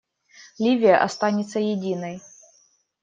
Ливия останется единой.